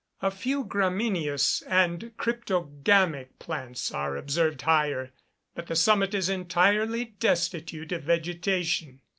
A few gramineous and cryptogamic plants are observed higher, but the summit is entirely destitute of vegetation.